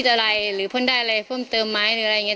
ถ้าใครอยากรู้ว่าลุงพลมีโปรแกรมทำอะไรที่ไหนยังไง